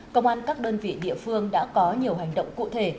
công an các đơn vị địa phương đã có nhiều hành động cụ thể